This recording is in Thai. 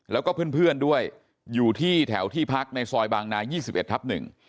แล้วก็เพื่อนด้วยอยู่ที่แถวที่พักในซอยบางนา๒๑ทับ๑